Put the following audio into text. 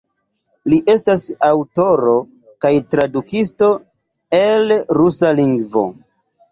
Li estas aŭtoro kaj tradukisto el rusa lingvo.